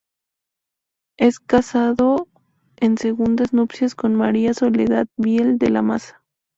Es casado en segundas nupcias con María Soledad Biel de la Maza.